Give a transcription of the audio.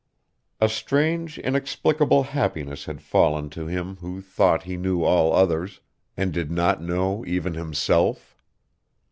A strange, inexplicable happiness had fallen to him who thought he knew all others, and did not know even himself.